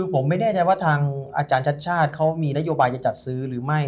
ผมแน่ใจว่าทางอาจารย์ชาติชาติเขามีรายนานยุบย์จะจัดซื้อหรือไม่